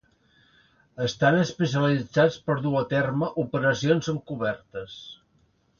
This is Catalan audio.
Estan especialitzats per dur a terme operacions encobertes.